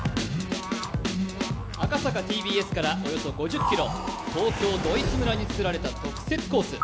赤坂ＴＢＳからおよそ５０ｋｍ、東京ドイツ村につくられた特設コース。